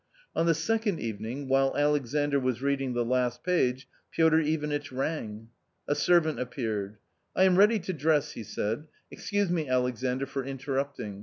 On the second evening, while Alexandr was reading the last page, Piotr Ivanitch rang. A servant appeared. "I am ready to dress," he said; "excuse me, Alexandr, for interrupting.